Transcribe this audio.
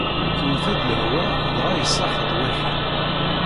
Tewwet-d lehwa dɣa isax-d wakal.